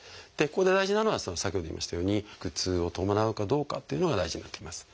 ここで大事なのは先ほど言いましたように腹痛を伴うかどうかっていうのが大事になってきます。